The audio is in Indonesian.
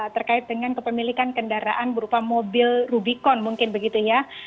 terkait dengan kepemilikan kendaraan berupa mobil rubicon mungkin begitu ya